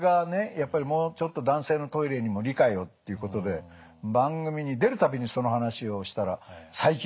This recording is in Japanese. やっぱりもうちょっと男性のトイレにも理解をということで番組に出る度にその話をしたら最近増えてきましたよね。